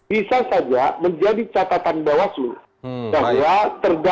bisa saja menjadi catatan bawah seluruh